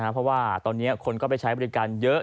เพราะว่าคนก็ไปใช้บริการเยอะ